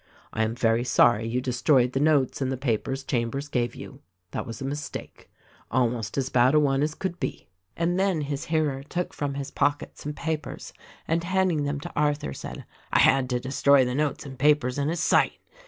I am very sorry you destroyed the notes and the papers Chambers gave you ;— that was a mistake, — almost as bad a one as could be." And then his hearer took from his pocket some papers and handing them to Arthur said, "I had to destroy the notes and the papers in his sight.